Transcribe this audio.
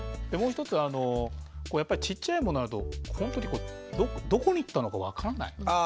もう一つやっぱりちっちゃいものあるとほんとにどこに行ったのか分からない。